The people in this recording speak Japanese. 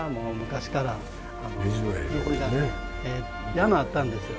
山あったんですよ。